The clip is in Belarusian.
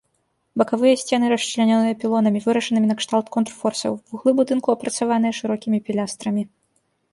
Бакавыя сцены расчлянёныя пілонамі, вырашанымі накшталт контрфорсаў, вуглы будынку апрацаваныя шырокімі пілястрамі.